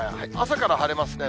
朝から晴れますね。